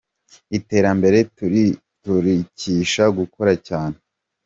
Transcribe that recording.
iterambere turikisha gukora cyane.